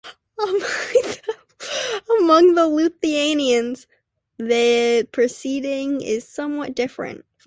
Among the Lithuanians the proceeding is somewhat different.